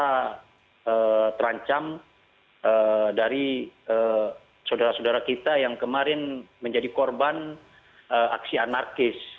karena terancam dari saudara saudara kita yang kemarin menjadi korban aksi anarkis